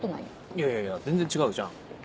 いやいやいや全然違うじゃん。